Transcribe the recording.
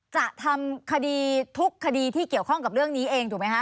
จะทำคดีทุกคดีที่เกี่ยวข้องกับเรื่องนี้เองถูกไหมคะ